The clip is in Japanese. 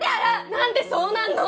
何でそうなんの？